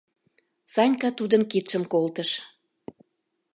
Санька тудын кидшым колтыш.